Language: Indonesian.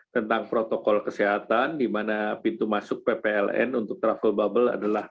tentang protokol kesehatan di mana pintu masuk ppln untuk travel bubble adalah